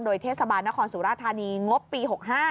โดยเทศบาลนครสุราธานีงบปี๖๕